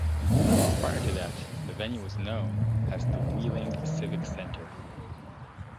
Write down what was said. Prior to that, the venue was known as the Wheeling Civic Center.